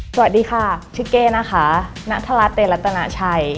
สวัสดีค่ะชื่อเก้นะคะณฑลเตรัตนาชัย